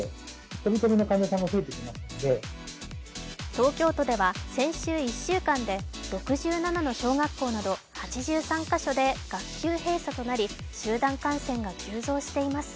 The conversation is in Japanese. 東京都では先週１週間で６７の小学校など、８３か所で学級閉鎖となり集団感染が急増しています。